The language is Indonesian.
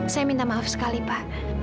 saya minta maaf sekali pak